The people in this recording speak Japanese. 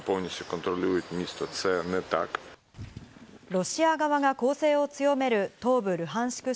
ロシア側が攻勢を強める東部ルハンシク